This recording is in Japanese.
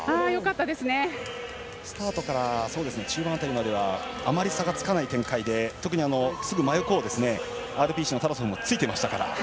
スタートから中盤辺りまではあまり差がつかない展開で、特にすぐ真横をＲＰＣのタラソフもついてましたから。